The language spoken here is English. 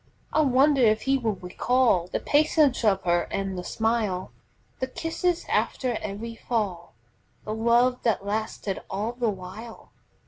I wonder if he will recall The patience of her and the smile, The kisses after every fall, The love that lasted all the while?